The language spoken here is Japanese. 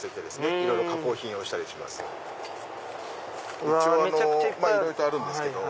いろいろとあるんですけど。